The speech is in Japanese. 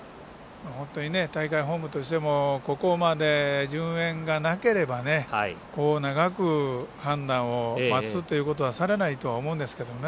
本当に大会本部としてもここまで順延がなければこう長く判断を待つということはされないとは思うんですけどね。